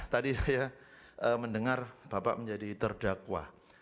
tadi saya mendengar bapak menjadi terdakwa